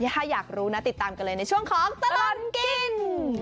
ถ้าอยากรู้นะติดตามกันเลยในช่วงของตลอดกิน